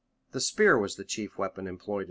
The spear was the chief weapon employed in battle.